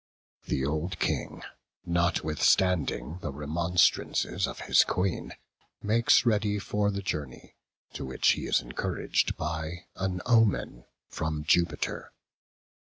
The old king, notwithstanding the remonstrances of his queen, makes ready for the journey, to which he is encouraged by an omen from Jupiter.